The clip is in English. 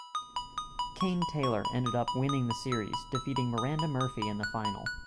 Kayne Taylor ended up winning the series, defeating Miranda Murphy in the final.